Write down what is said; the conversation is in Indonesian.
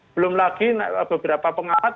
belum lagi beberapa pengahat